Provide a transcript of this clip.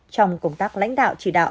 trong công tác lãnh đạo chỉ đạo